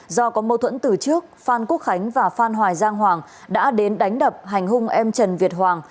do có mâu thuẫn từ trước phan quốc khánh và phan hoài giang hoàng đã đến đánh đập hành hung em trần việt hoàng